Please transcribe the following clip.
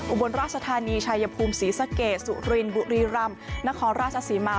อุบลราชธานีชายภูมิศรีสะเกดสุรินบุรีรำนครราชศรีมา